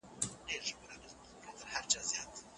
څه شی د ډیجیټل پرمختګ په لاره کي لوی خنډ دی؟